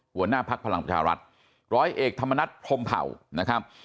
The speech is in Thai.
หัวหน้าพักพลังประชารัฐร้อยเอกธรรมนัฐพรมเผ่านะครับ